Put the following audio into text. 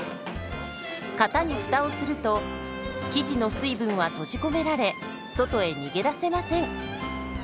型にフタをすると生地の水分は閉じ込められ外へ逃げ出せません。